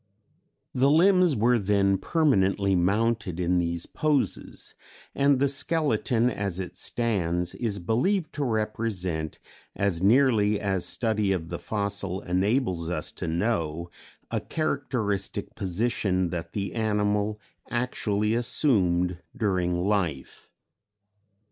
The limbs were then permanently mounted in these poses, and the skeleton as it stands is believed to represent, as nearly as study of the fossil enables us to know, a characteristic position that the animal actually assumed during life....